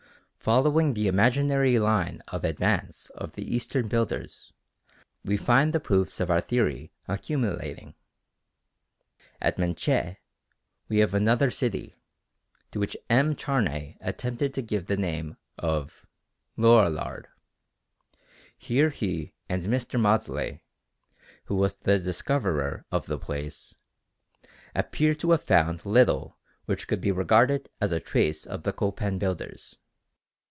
Following the imaginary line of advance of the Eastern builders, we find the proofs of our theory accumulating. At Menché we have another city, to which M. Charnay attempted to give the name of "Lorillard." Here he and Mr. Maudslay (who was the discoverer of the place) appear to have found little which could be regarded as a trace of the Copan builders.